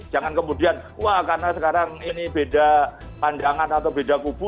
jangan kemudian wah karena sekarang ini beda pandangan atau beda kubu